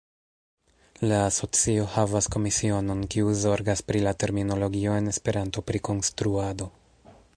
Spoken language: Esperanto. La asocio havas komisionon kiu zorgas pri la terminologio en Esperanto pri konstruado.